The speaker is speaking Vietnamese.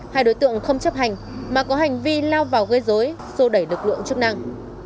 hai đối tượng không chấp hành mà có hành vi lao vào gây dối sô đẩy lực lượng chức năng